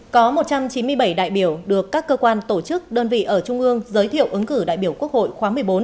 có một trăm chín mươi bảy đại biểu được các cơ quan tổ chức đơn vị ở trung ương giới thiệu ứng cử đại biểu quốc hội khóa một mươi bốn